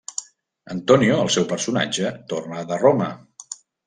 Antonio, el seu personatge, torna de Roma.